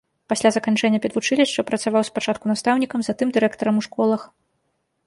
Пасля заканчэння педвучылішча працаваў спачатку настаўнікам, затым дырэктарам у школах.